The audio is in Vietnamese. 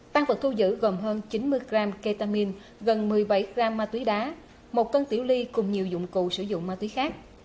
tăng vật thu giữ gồm hơn chín mươi gram ketamine gần một mươi bảy gram ma túy đá một cân tiểu ly cùng nhiều dụng cụ sử dụng ma túy khác